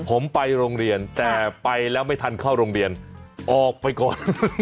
ผมไปโรงเรียนแต่ไปแล้วไม่ทันเข้าโรงเรียนออกไปก่อน